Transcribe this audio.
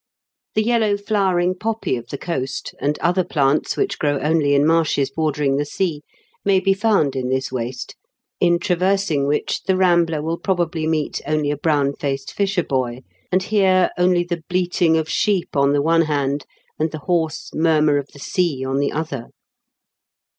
The yellow flowering poppy of the coast, and other plants which grow only in marshes bordering the sea, may be found in this waste, in traversing which the rambler will probably meet only a brown faced fisher boy, and hear only the bleating of sheep on the one hand and the hoarse murmur of the sea on the other.